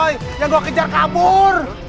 ya gak kejar kabur